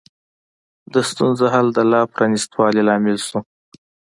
د ستونزو حل د لا پرانیست والي لامل شو.